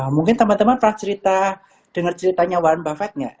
mungkin teman teman pernah dengar ceritanya warren buffett ya